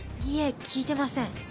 いいえ聞いてません。